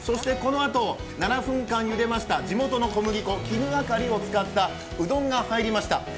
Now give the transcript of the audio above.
このあと、７分間茹でました地元の小麦粉、きぬあかりを使ったうどんが入りました。